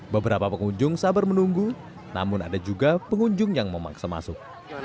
beberapa pengunjung sabar menunggu namun ada juga pengunjung yang memaksa masuk